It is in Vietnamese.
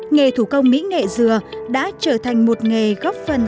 nghề thủ công mỹ nghệ dừa đã trở thành một nghề góp phần